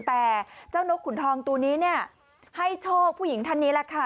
แต่เจ้านกขุนทองตัวนี้เนี่ยให้โชคผู้หญิงท่านนี้แหละค่ะ